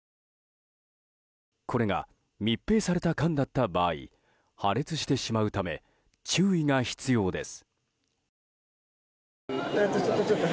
これが、密閉された缶だった場合破裂してしまうため注意が必要です。